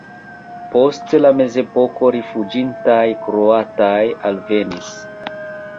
Post la mezepoko rifuĝintaj kroatoj alvenis.